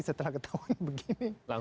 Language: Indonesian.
setelah ketahuan begini